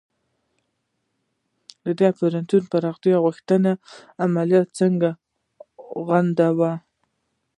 د دې امپراطوري پراختیا غوښتنې عملیات ځکه غندو.